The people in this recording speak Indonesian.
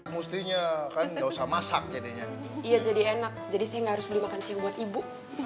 mustinya kan dosa masak jadinya ia jadi enak jadi saya harus beli makan siang buat ibu